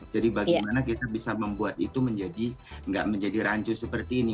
jadi bagaimana kita bisa membuat itu menjadi tidak menjadi rancu seperti ini